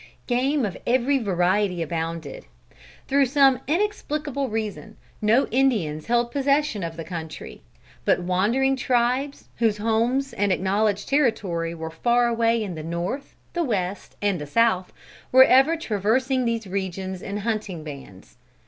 Game of every variety abounded. Through some inexplicable reason, no Indians held possession of the country. But wandering tribes, whose homes and acknowledged territory were far away in the north, the west, and the south, were ever traversing these regions in hunting bands.